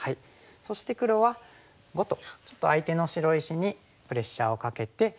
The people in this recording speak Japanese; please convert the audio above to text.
そして黒は⑤とちょっと相手の白石にプレッシャーをかけて。